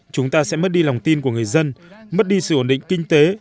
chúng ta sẽ mất đi lòng tin của người dân mất đi sự ổn định kinh tế